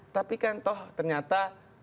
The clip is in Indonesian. tapi kan toh ternyata